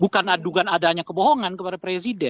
bukan adukan adanya kebohongan kepada presiden